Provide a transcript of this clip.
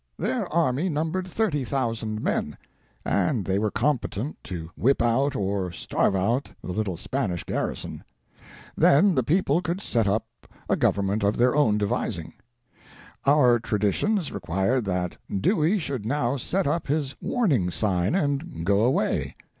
Their army numbered 30,000 men, and they were competent to whip out or starve out the little Spanish garrison; then the people could set up a gov ernment of their own cie vising. Our traditions required that Dewey should now set up his warning sign, and go away.